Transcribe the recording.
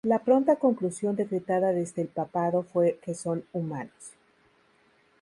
La pronta conclusión decretada desde el Papado fue que son humanos.